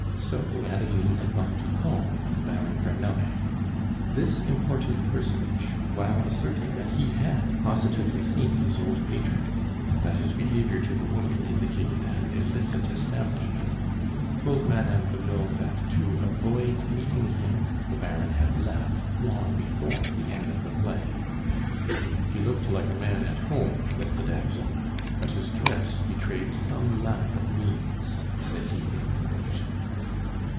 So Adeline had gone to call on the Baron Verneuil. This important personage, while asserting that he had positively seen his old patron, and that his behaviour to the woman indicated an illicit establishment, told Madame Hulot that to avoid meeting him the Baron had left long before the end of the play. "He looked like a man at home with the damsel, but his dress betrayed some lack of means," said he in conclusion.